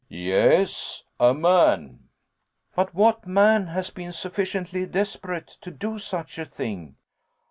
"Yes, a man." "But what man has been sufficiently desperate to do such a thing?"